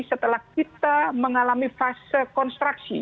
setelah kita mengalami fase konstruksi